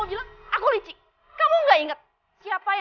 oh dia mulai mulai tidur saya